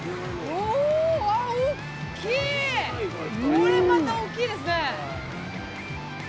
これまた大きいですね！